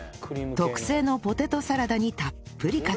特製のポテトサラダにたっぷりかけます